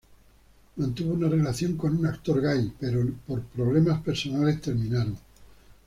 Mantuvo una relación con un actor gay pero por problemas personales terminaron.